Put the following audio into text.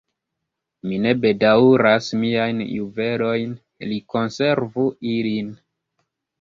Mi ne bedaŭras miajn juvelojn; li konservu ilin!